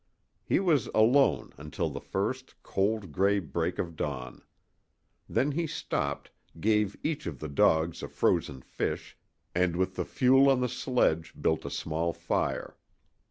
He was alone until the first cold, gray break of dawn. Then he stopped, gave each of the dogs a frozen fish, and with the fuel on the sledge built a small fire.